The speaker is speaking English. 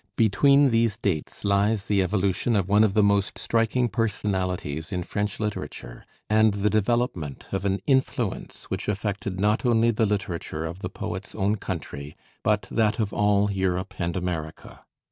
Between these dates lies the evolution of one of the most striking personalities in French literature, and the development of an influence which affected not only the literature of the poet's own country, but that of all Europe and America.